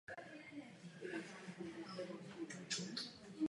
Po říjnové revoluci vstoupil do řad Rudé armády.